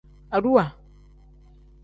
Aduwa.